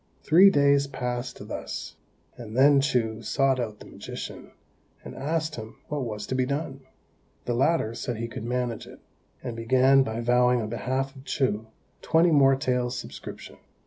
Three days passed thus, and then Chou sought out the magician, and asked him what was to be done. The latter said he could manage it, and began by vowing on behalf of Chou twenty more taels' subscription.